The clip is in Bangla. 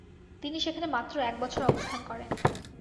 তিনি সেখানে মাত্র এক বছর অবস্থান করেন।